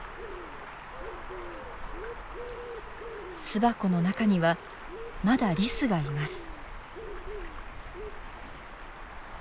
巣箱の中にはまだリスがいます。